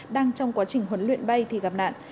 đang trong quá trình huấn luyện bay thì gặp nạn